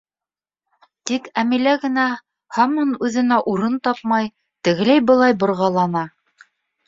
Тик Әмилә генә һаман үҙенә урын тапмай, тегеләй-былай борғалана.